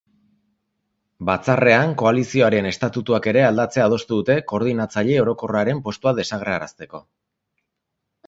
Batzarrean, koalizioaren estatutuak ere aldatzea adostu dute koordinatzaile orokorraren postua desagertarazteko.